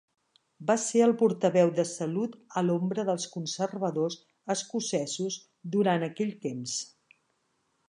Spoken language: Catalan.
Va ser el portaveu de salut a l'ombra dels Conservadors escocesos durant aquell temps.